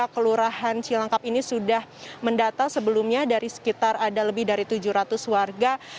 kelurahan cilangkap ini sudah mendata sebelumnya dari sekitar ada lebih dari tujuh ratus warga